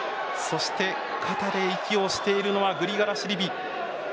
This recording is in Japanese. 肩で息をしているのはグリガラシビリ。